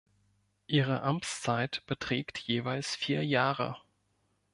Ihre Amtszeit beträgt jeweils vier Jahre.